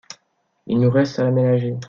Il nous reste à l’aménager ».